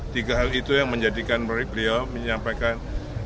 tiga hal itu yang menjadikan beliau menyampaikan